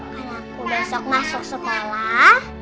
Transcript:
kalau aku besok masuk sekolah